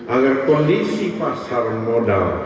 agar kondisi pasar modal